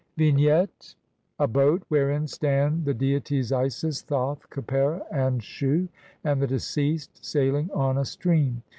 ] Vignette : A boat, wherein stand the deities Isis, Thoth, Khepera, and Shu, and the deceased sailing on a stream.